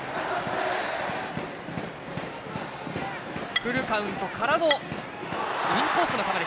フルカウントからのインコースの球。